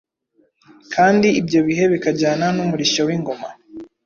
kandi ibyo bihe bikajyana n’umurishyo w’Ingoma.